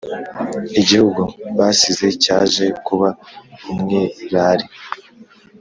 Igihugu basize cyaje kuba umwirare